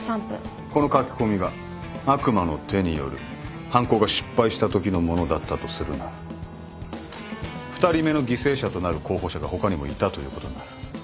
この書き込みが悪魔の手による犯行が失敗したときのものだったとするなら２人目の犠牲者となる候補者が他にもいたということになる。